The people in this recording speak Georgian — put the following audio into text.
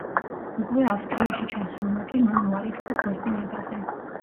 უკვე ავსტრიაში ჩასულმა, კი მან უარი თქვა ქორწინებაზე.